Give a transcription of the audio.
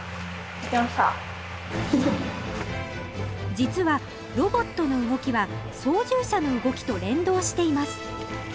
実はロボットの動きは操縦者の動きと連動しています。